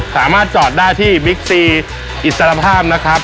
สามารถจอดได้ที่บิ๊กซีอิสรภาพนะครับ